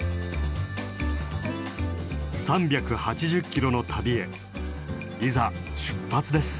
３８０キロの旅へいざ出発です！